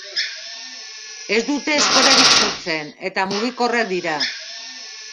Ez dute esporarik sortzen eta mugikorrak dira.